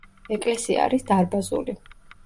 ეკლესია არის დარბაზული.